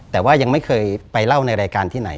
แต่ว่ายังไม่เคยไปเล่าในรายการที่ไหน